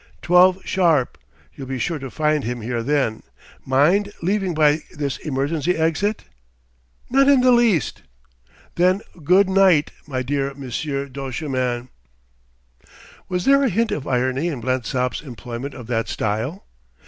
"Twelve sharp; you'll be sure to find him here then. Mind leaving by this emergency exit?" "Not in the least." "Then good night, my dear Monsieur Duchemin!" Was there a hint of irony in Blensop's employment of that style?